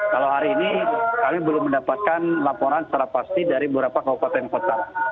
kalau hari ini kami belum mendapatkan laporan secara pasti dari beberapa kabupaten kota